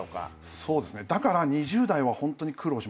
そうですねだから２０代はホントに苦労しました。